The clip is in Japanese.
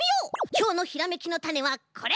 きょうのひらめきのタネはこれ！